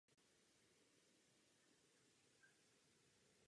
Na výrobcích patří k nejstarším dochovaným francouzské značky z Montpellier a z Paříže.